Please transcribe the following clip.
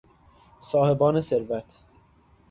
صاحبان ثروت